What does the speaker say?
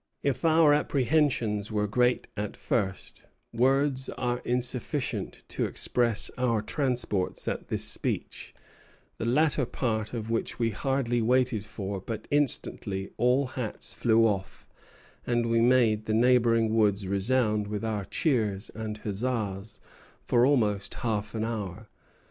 If our apprehensions were great at first, words are insufficient to express our transports at this speech, the latter part of which we hardly waited for; but instantly all hats flew off, and we made the neighboring woods resound with our cheers and huzzas for almost half an hour.